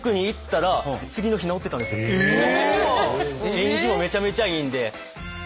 縁起もめちゃめちゃいいんで。